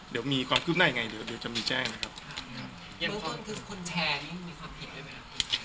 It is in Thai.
เดี๋ยวมีความคืบหน้ายังไงเดี๋ยวเดี๋ยวจะมีแจ้งนะครับอย่างของคนแชร์นี่มีความผิดได้ไหมครับ